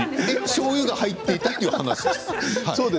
しょうゆが入っていたという話？